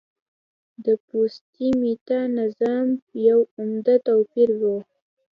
د پوتسي میتا نظام یو عمده توپیر و